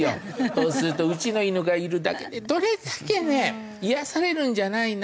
そうするとうちの犬がいるだけでどれだけね癒やされるんじゃないな。